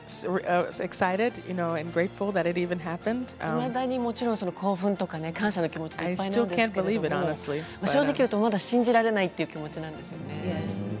いまだにもちろん興奮とか感謝の気持ちでいっぱいなんですが正直言うと、まだ信じられない気持ちなんですね。